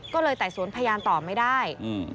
ก็เลยไต่สวนพยานต่อไม่ได้